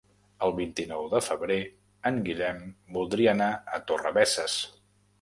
El vint-i-nou de febrer en Guillem voldria anar a Torrebesses.